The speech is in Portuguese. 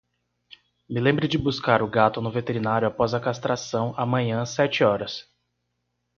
Me lembre de buscar o gato no veterinário após a castração amanhã sete horas.